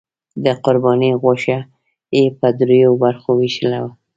د قربانۍ غوښه یې په دریو برخو وویشله.